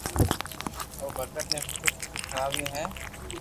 او بگت ني سٺو سٺو کراويو ھين